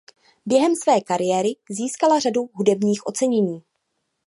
Během své kariéry získala řadu hudebních ocenění.